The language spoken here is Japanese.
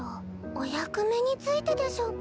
お役目についてでしょうか？